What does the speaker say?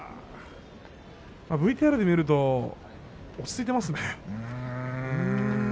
ＶＴＲで見ると落ち着いていますね。